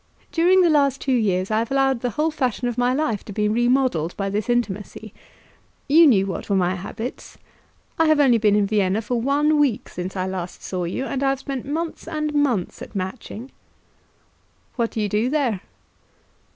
During the last two years I have allowed the whole fashion of my life to be remodelled by this intimacy. You knew what were my habits. I have only been in Vienna for one week since I last saw you, and I have spent months and months at Matching." "What do you do there?"